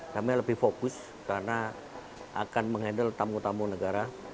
kami lebih fokus karena akan menghandle tamu tamu negara